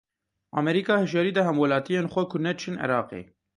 Amerîka hişyarî da hemwelatiyên xwe ku neçin Iraqê.